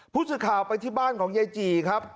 ผู้สื่อข่าวไปที่บ้านของยายจี่ครับ